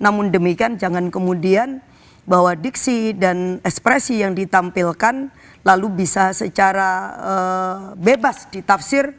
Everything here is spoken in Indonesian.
namun demikian jangan kemudian bahwa diksi dan ekspresi yang ditampilkan lalu bisa secara bebas ditafsir